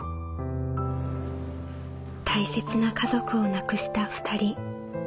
大切な家族を亡くした２人。